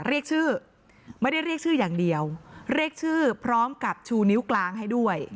เรียกชื่อไม่ได้เรียกชื่ออย่างเดียวเรียกชื่อพร้อมกับชูนิ้วกลางให้ด้วย